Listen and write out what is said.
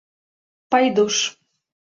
Пайдуш.